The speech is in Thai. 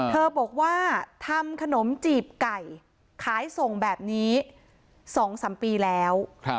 เธอบอกว่าทำขนมจีบไก่ขายส่งแบบนี้๒๓ปีแล้ว